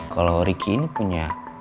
kalau ricky ini punya